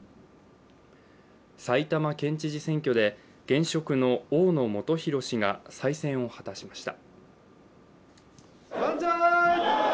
埼玉県知事選挙で現職の大野元裕氏が再選を果たしました。